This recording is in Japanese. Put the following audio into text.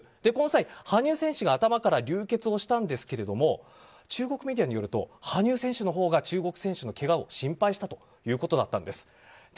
この際、羽生選手が頭から流血したんですけれども中国メディアによると羽生選手のほうが中国選手のけがを心配したということだったんです。